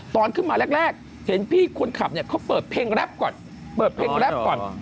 ตอนขึ้นมาแรกเห็นพี่คุณขับเนี่ยเขาเปิดเพลงแรปก่อน